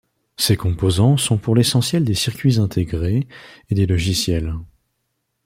Ces composants sont pour l'essentiel des circuits intégrés et des logiciels.